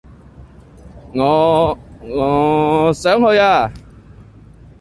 我……我想去呀！